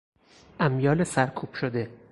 امیال سرکوب شده